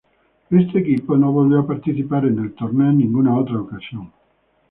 Este equipó no volvió a participar en el torneo en ninguna otra ocasión.